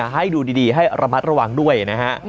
ให้ดูดีให้ระมัดระวังด้วยนะฮะ